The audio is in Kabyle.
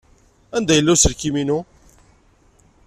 Anda yella uselkim-inu?